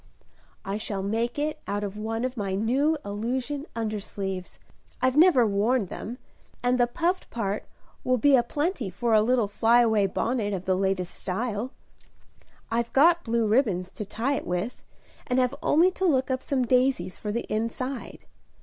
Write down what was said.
"I shall make it out of one of my new illusion undersleeves. I've never worn them; and the puffed part will be a plenty for a little fly away bonnet of the latest style. I've got blue ribbons to tie it with, and have only to look up some daisies for the inside.